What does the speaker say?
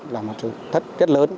là một sự thất kết lớn